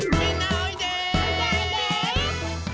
おいでおいで！